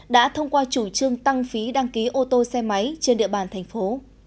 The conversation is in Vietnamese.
đã thông qua chủ trương tăng phí đăng ký ô tô xe máy trên địa bàn thành phố